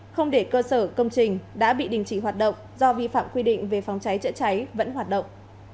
không để cơ sở công trình đã bị đình chỉ hoạt động do vi phạm quy định về phòng cháy chữa cháy vẫn hoạt động